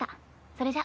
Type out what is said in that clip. それじゃ。